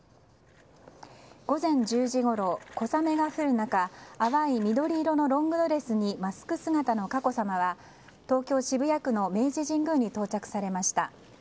午前１０時ごろ、小雨が降る中淡い緑色のロングドレスにマスク姿の佳子さまは東京・渋谷区の明治神宮に到着されました。